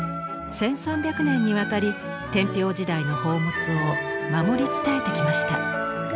１，３００年にわたり天平時代の宝物を守り伝えてきました。